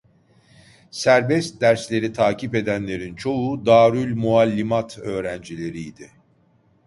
Serbest dersleri takip edenlerin çoğu Darülmuallimat öğrencileri idi.